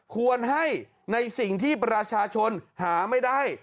ควรให้ในสิ่งที่ประชาชนหาไม่ได้